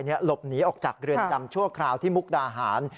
หลบหนีออกจากเรือนจำชั่วคราวที่มุกดาหาร